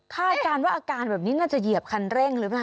การว่าอาการแบบนี้น่าจะเหยียบคันเร่งหรือเปล่า